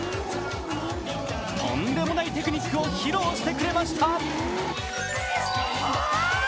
とんでもないテクニックを披露してくれました。